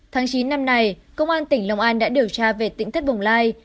tháng chín năm nay công an tỉnh long an đã điều tra về tỉnh thất bồng lai